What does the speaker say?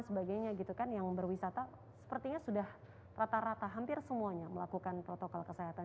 sebagainya gitu kan yang berwisata sepertinya sudah rata rata hampir semuanya melakukan protokol kesehatan